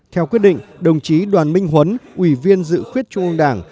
theo quyết định đồng chí đoàn minh huấn ủy viên dự khuyết trung ương đảng